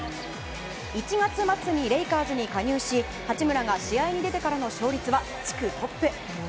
１月末にレイカーズに加入し八村が試合に出てからの勝率は地区トップ。